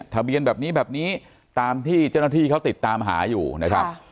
ทะเบียนแบบนี้แบบนี้ตามที่เจ้าหน้าที่เขาติดตามหาอยู่นะครับ